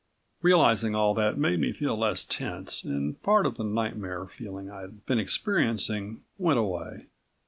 Realizing all that made me feel less tense and part of the nightmare feeling I'd been experiencing went away.